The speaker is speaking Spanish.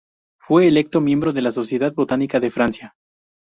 Fue electo miembro de la Sociedad Botánica de Francia.